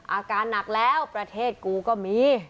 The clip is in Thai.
อาการหนักแล้วประเทศกูก็มี